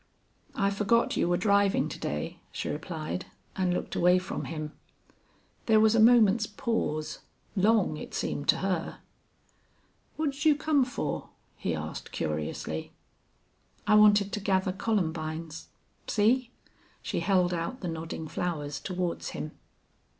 "I forgot you were driving to day," she replied, and looked away from him. There was a moment's pause long, it seemed to her. "What'd you come for?" he asked, curiously. "I wanted to gather columbines. See." She held out the nodding flowers toward him.